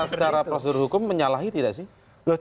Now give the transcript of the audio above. jadi secara prosedur hukum menyalahi tidak sih